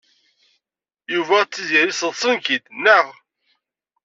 Yuba d Tiziri sseḍṣen-k-id, naɣ?